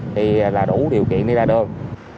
thì là đủ điều kiện đi ra đường